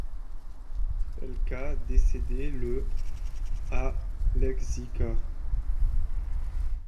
Pelka décédé le à Łęczyca.